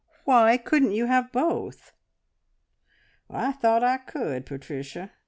"Why couldn't you have both?" "I thought I could, Patricia.